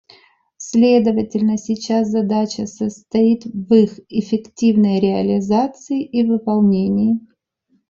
Следовательно, сейчас задача состоит в их эффективной реализации и выполнении.